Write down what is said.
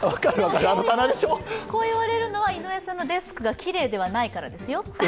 こう言われるのは、井上さんのデスクがきれいではないからですよ。